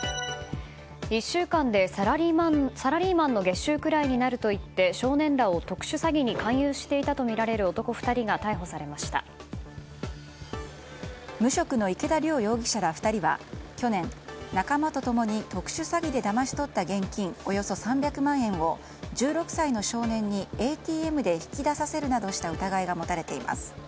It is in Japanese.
１週間でサラリーマンの月収くらいになると言って少年らを特殊詐欺に勧誘していたとみられる無職の池田稜容疑者ら２人は去年、仲間と共に特殊詐欺でだまし取った現金およそ３００万円を１６歳の少年にＡＴＭで引き出させるなどした疑いが持たれています。